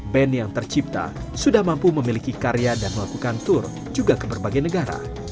band yang tercipta sudah mampu memiliki karya dan melakukan tour juga ke berbagai negara